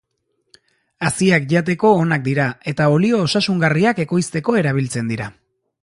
Haziak jateko onak dira eta olio osasungarriak ekoizteko erabiltzen dira.